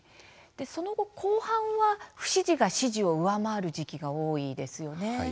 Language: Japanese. その後、後半は不支持が支持を上回る時期が多いですね。